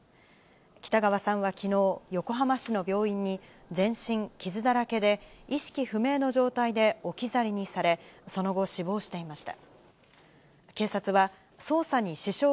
北川さんはきのう、横浜市の病院に全身傷だらけで、意識不明の状態で置き去りにされ、その後、死亡していました。